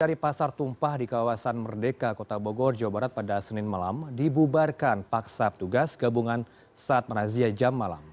dari pasar tumpah di kawasan merdeka kota bogor jawa barat pada senin malam dibubarkan paksa petugas gabungan saat merazia jam malam